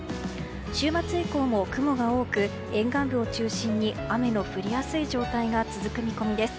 週末以降も雲が多く沿岸部を中心に雨の降りやすい状態が続く見込みです。